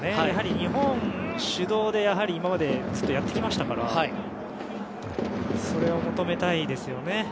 やはり、日本主導で今までずっとやってきましたからそれを求めたいですよね